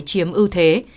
chiếm ưu thế